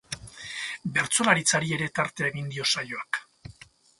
Bertsolaritzari ere tartea egingo dio saioak.